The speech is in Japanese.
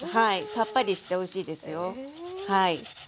さっぱりしておいしいですよ。